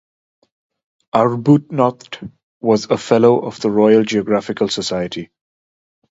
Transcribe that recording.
Arbuthnot was a fellow of the Royal Geographical Society.